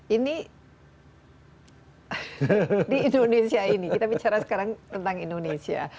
ini di indonesia ini kita bicara sekarang tentang indonesia